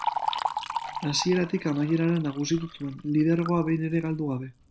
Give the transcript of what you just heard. Hasieratik amaierara nagusitu zuen, lidergoa behin ere galdu gabe.